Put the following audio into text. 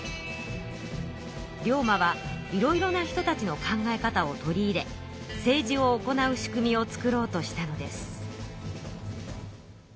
龍馬はいろいろな人たちの考え方を取り入れ政治を行う仕組みを作ろうとしたのです。